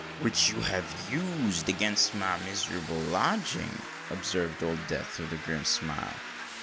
"Which you have used against my miserable lodging," observed Old Death, with a grim smile.